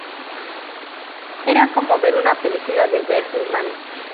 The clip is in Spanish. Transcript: Era como ver una película de Bergman.